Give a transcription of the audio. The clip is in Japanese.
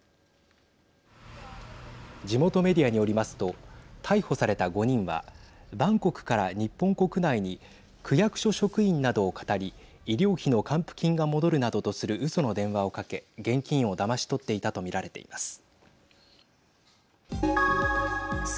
地元メディアによりますと逮捕された５人はバンコクから日本国内に区役所職員などをかたり医療費の還付金が戻るなどとするうその電話をかけ現金をだまし取っていたと見られています。